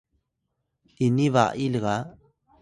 ini ba’i lga